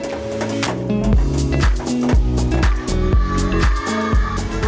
lanjut ke proses selanjutnya